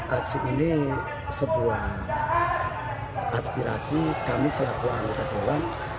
aksi ini sebuah aspirasi kami sehatuang kita doang